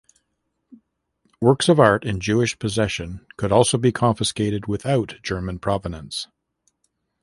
Works of art in Jewish possession could also be confiscated without German provenance.